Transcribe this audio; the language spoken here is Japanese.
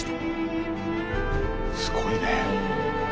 すごいね。